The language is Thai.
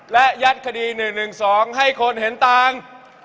และยัดคดี๑๑๒ให้คนเห็นต่าง